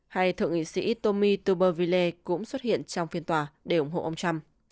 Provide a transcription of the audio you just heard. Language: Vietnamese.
hay thượng nghị sĩ tommy tuberville cũng xuất hiện trong phiên tòa để ủng hộ ông trump